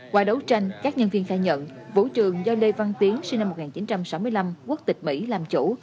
qua đấu tranh các nhân viên khai nhận vũ trường do lê văn tiến sinh năm một nghìn chín trăm sáu mươi năm quốc tịch mỹ làm chủ